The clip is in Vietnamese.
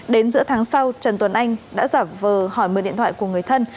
đến giữa tháng sau trần tuấn anh đã giả vờ hỏi mượn điện thoại của người thân